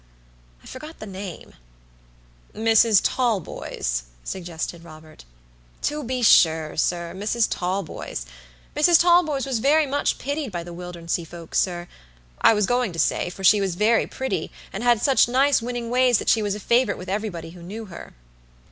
I forgot the name" "Mrs. Talboys," suggested Robert. "To be sure, sir, Mrs. Talboys. Mrs. Talboys was very much pitied by the Wildernsea folks, sir, I was going to say, for she was very pretty, and had such nice winning ways that she was a favorite with everybody who knew her."